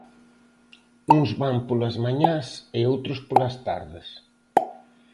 Uns van polas mañás e outros polas tardes.